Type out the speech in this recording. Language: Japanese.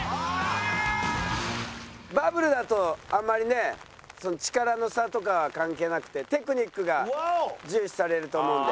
バブルだとあんまりね力の差とか関係なくてテクニックが重視されると思うんで。